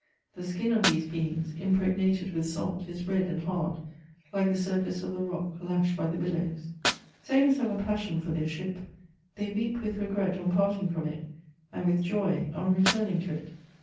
The skin of these beings, impregnated with salt, is red and hard, like the suri&ice of the rock lashed by the billows. Sailors have a passion for their ship : they weep with regret on parting from it, and with joy on returning to it.